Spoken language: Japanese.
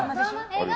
映画？